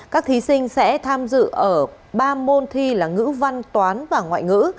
các thí sinh sẽ tham dự ở ba môn thi là ngữ văn toán và ngoại ngữ